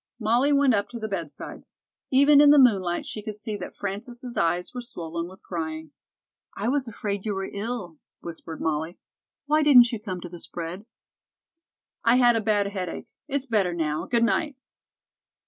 Molly went up to the bedside. Even in the moonlight she could see that Frances' eyes were swollen with crying. "I was afraid you were ill," whispered Molly. "Why didn't you come to the spread?" "I had a bad headache. It's better now. Good night."